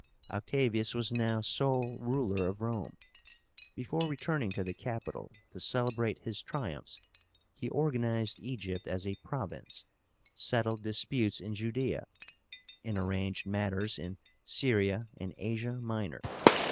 Octavius was now sole ruler of Rome. Before returning to the capital to celebrate his triumphs, he organized Egypt as a province, settled disputes in Judaea, and arranged matters in Syria and Asia Minor.